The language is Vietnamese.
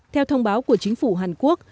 theo thông báo của chính phủ hàn quốc